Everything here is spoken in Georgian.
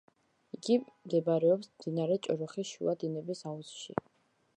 იგი მდებარეობს მდინარე ჭოროხის შუა დინების აუზში.